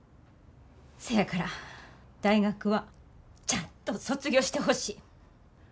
せやから大学はちゃんと卒業してほしい。